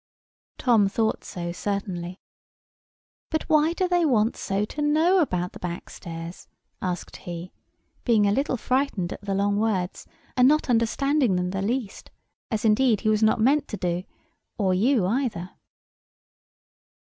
Tom thought so certainly. "But why do they want so to know about the backstairs?" asked he, being a little frightened at the long words, and not understanding them the least; as, indeed, he was not meant to do, or you either.